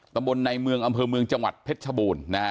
ตำบลในเมืองอำเภอเมืองจังหวัดเพชรชบูรณ์นะฮะ